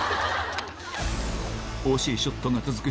惜しいショットが続く